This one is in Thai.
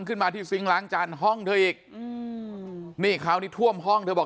ขึ้นมาที่ซิงค์ล้างจานห้องเธออีกอืมนี่คราวนี้ท่วมห้องเธอบอก